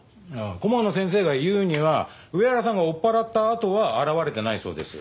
顧問の先生が言うには上原さんが追っ払ったあとは現れてないそうです。